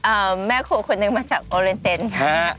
โอ้โฮแม่ครัวคนนึงมาจากโอเรนเตนค่ะ